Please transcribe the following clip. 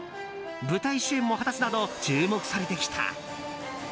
舞台主演も果たすなど注目されてきた。